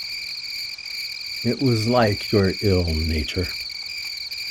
It was like your ill-nature.